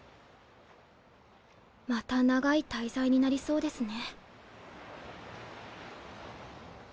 また長い滞在になりそうですね。